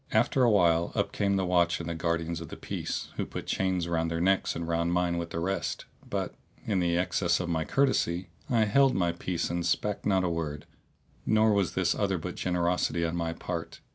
After a while up came the watch and guardians of the peace, who put chains round their necks and round mine with the rest; but, in the excess of my courtesy, I held my peace and spake not a word; nor was this other but generosity on my part.